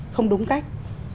không đúng cách